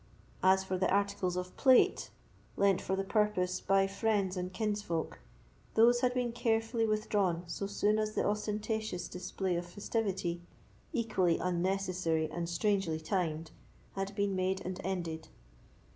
As for the articles of plate, lent for the purpose by friends and kinsfolk, those had been carefully withdrawn so soon as the ostentatious display of festivity, equally unnecessary and strangely timed, had been made and ended.